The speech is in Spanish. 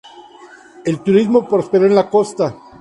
El turismo prosperó en la costa.